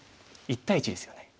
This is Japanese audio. １対１ですよね。